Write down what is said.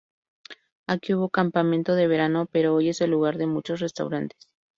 Aquí hubo campamento de verano pero hoy es el lugar de muchos restaurantes.